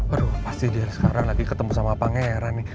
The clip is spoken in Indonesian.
aduh pasti dari sekarang lagi ketemu sama pangeran nih